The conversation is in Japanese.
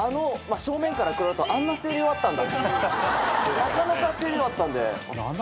なかなか声量あったんで。